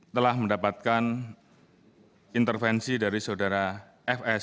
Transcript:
telah mendapatkan intervensi dari saudara fs